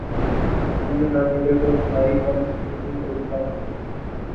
اب ہمیں نہ ملے تو ہماری کم علمی اور کم عقلی